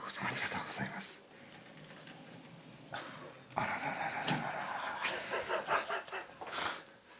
あららら。